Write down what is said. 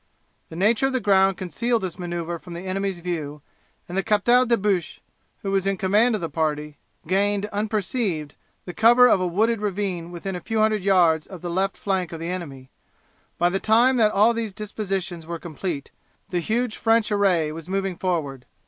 The nature of the ground concealed this maneuver from the enemies' view, and the Captal De Buch, who was in command of the party, gained unperceived the cover of a wooded ravine within a few hundred yards of the left flank of the enemy. By the time that all these dispositions were complete the huge French array was moving forward.